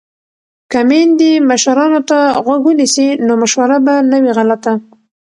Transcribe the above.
که میندې مشرانو ته غوږ ونیسي نو مشوره به نه وي غلطه.